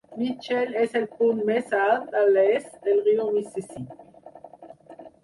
Mitchell és el punt més alt a l'est del riu Mississipí.